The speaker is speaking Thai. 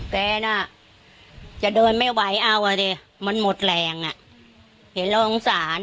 แฟนอ่ะจะเดินไม่ไหวเอาอ่ะดิมันหมดแรงอ่ะเห็นแล้วสงสาร